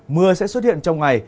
mưa sẽ xuất hiện trong ngày